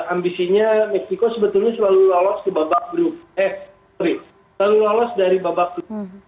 ambisinya meksiko sebetulnya selalu lolos dari babak group